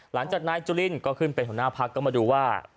หลังจากนายจุลินก็ขึ้นเป็นหัวหน้าพักก็มาดูว่า